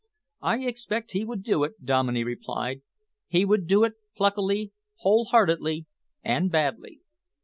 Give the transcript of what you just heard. "I expect he would do it," Dominey replied. "He would do it pluckily, whole heartedly and badly.